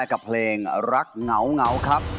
กับเพลงรักเหงาครับ